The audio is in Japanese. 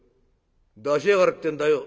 出しやがれってんだよ」。